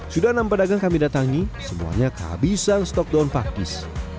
sudah enam pedagang kami datangi semuanya kehabisan stok daun pakis